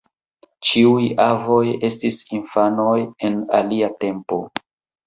Ĉiuj avoj estis infanoj, en alia tempo.